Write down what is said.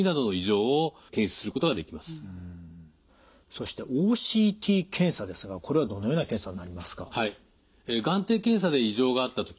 そしてＯＣＴ検査ですがこれはどのような検査になりますか？